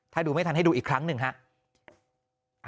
ถ้าดูไม่ทันให้ดูอีกครั้งหนึ่งครับ